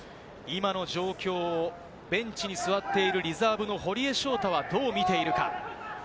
今の状況をベンチに座っているリザーブの堀江翔太はどう見ているか？